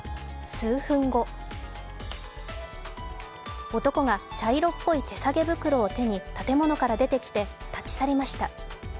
数分後男が茶色っぽい手提げ袋を手に建物から出てきて立ち去りました。